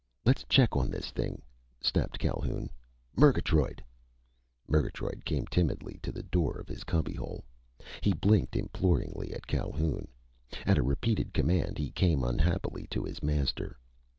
"Let's check on this thing!" snapped Calhoun. "Murgatroyd!" Murgatroyd came timidly to the door of his cubbyhole. He blinked imploringly at Calhoun. At a repeated command he came unhappily to his master.